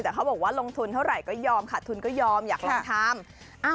แต่เขาบอกว่าลงทุนเท่าไหร่ก็ยอมขาดทุนก็ยอมอยากลองทำ